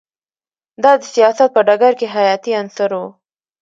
دا د سیاست په ډګر کې حیاتی عنصر و